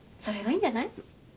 それがいいんじゃない？